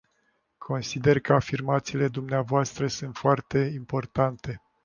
Consider că afirmațiile dvs. sunt foarte importante.